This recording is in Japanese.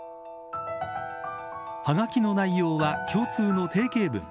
はがきの内容は、共通の定型文。